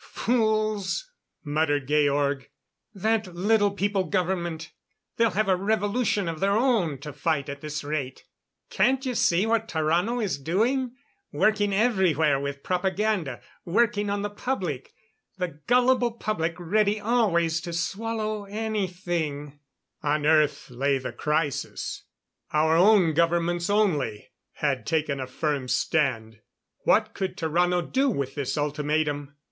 "Fools!" muttered Georg. "That Little People government they'll have a revolution of their own to fight at this rate. Can't you see what Tarrano is doing? Working everywhere with propaganda working on the public the gullible public ready always to swallow anything " On Earth, lay the crisis. Our own governments only had taken a firm stand. What could Tarrano do with this ultimatum?